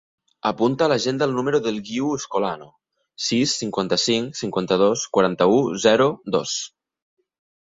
Apunta a l'agenda el número del Guiu Escolano: sis, cinquanta-cinc, cinquanta-dos, quaranta-u, zero, dos.